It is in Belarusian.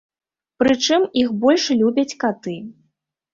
Прычым, іх больш любяць каты.